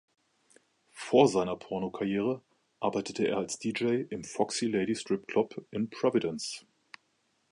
Vor seiner Pornokarriere arbeitete er als Deejay im Foxy Lady Strip Club in Providence.